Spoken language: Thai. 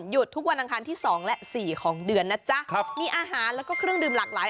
ทุกวันอังคารที่สองและสี่ของเดือนนะจ๊ะครับมีอาหารแล้วก็เครื่องดื่มหลากหลาย